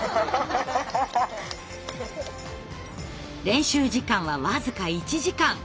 練習時間は僅か１時間。